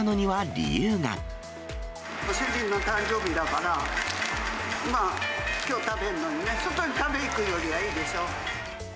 きょう主人の誕生日だから、きょう食べるのに、外に食べに行くよりはいいでしょ。